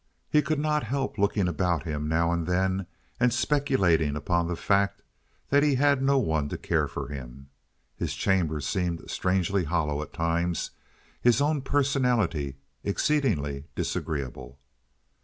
He could not help looking about him now and then and speculating upon the fact that he had no one to care for him. His chamber seemed strangely hollow at times—his own personality exceedingly disagreeable.